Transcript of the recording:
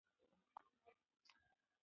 ولې توپیر ساتل کېږي؟